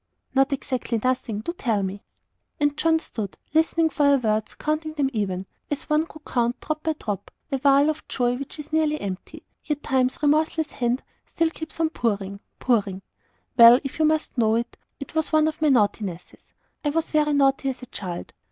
"Not exactly 'nothing.' Do tell me!" And John stood, listening for her words, counting them even, as one would count, drop by drop, a vial of joy which is nearly empty, yet Time's remorseless hand still keeps on, pouring, pouring. "Well, if you must know it, it was one of my naughtinesses I was very naughty as a child.